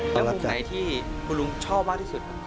แล้วมุมไหนที่คุณลุงชอบว่าที่สุด